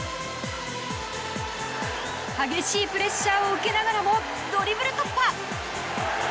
激しいプレッシャーを受けながらもドリブル突破。